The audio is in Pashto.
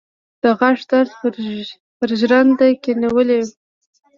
د غاښ درد پر ژرنده کېنولی يم.